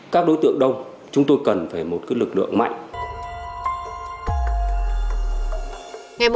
các đối tượng đông chúng tôi cần phải một cái lực lượng mạnh